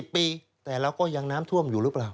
ปีแต่เราก็ยังน้ำท่วมอยู่หรือเปล่า